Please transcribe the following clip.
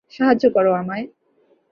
সাহায্য করো আমায়।